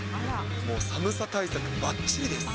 もう、寒さ対策ばっちりです。